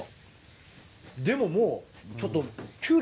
でももうちょっと。